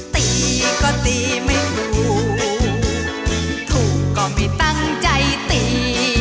ตีก็ตีไม่ถูกถูกก็ไม่ตั้งใจตี